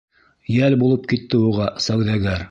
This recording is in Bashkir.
Йәл булып китте уға сауҙагәр.